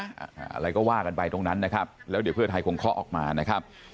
อะไรก็ว่ากันไปตรงนั้นนะครับแล้วเดี๋ยวเพื่อไทยคงเคาะออกมานะครับ